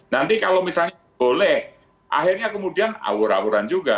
nanti kalau misalnya boleh akhirnya kemudian awur awuran juga